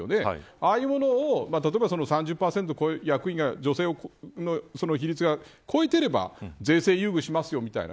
ああいうものを例えば３０％女性の役員の比率が超えていれば税制優遇しますよみたいな